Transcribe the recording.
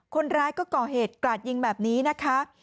คนร้ายก็ก่อเหตุกราดยิงแบบนี้นะคะ